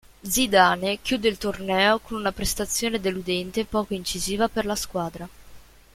Zidane chiude il torneo con una prestazione deludente e poco incisiva per la squadra.